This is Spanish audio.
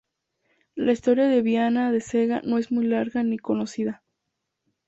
La historia de Viana de Cega no es muy larga ni conocida.